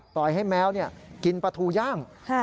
ปล่อยให้แมวกินปลาทูย่าง